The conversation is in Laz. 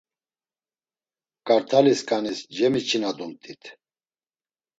Kart̆alisǩanis cemiçinadumt̆it.